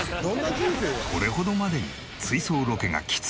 これほどまでに追走ロケがきつい原因は。